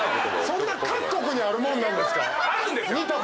そんな各国にあるもんですか⁉あるんですよ！